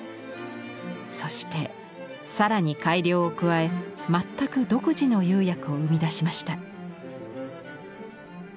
そして更に改良を加え全く独自の釉薬を生み出しました。